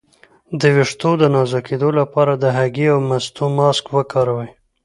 د ویښتو د نازکیدو لپاره د هګۍ او مستو ماسک وکاروئ